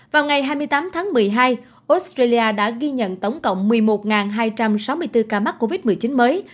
vào ngày hai mươi tám tháng một mươi hai australia đã ghi nhận tổng cộng một mươi một hai trăm sáu mươi bốn ca mắc covid một mươi chín mới